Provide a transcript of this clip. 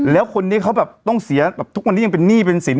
แล้วคนนี้เขาแบบต้องเสียแบบทุกวันนี้ยังเป็นหนี้เป็นสิน